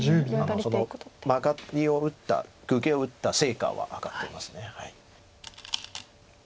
そのマガリを打った愚形を打った成果は上がってます。